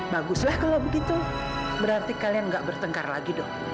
baguslah kalau begitu berarti kalian nggak bertengkar lagi dong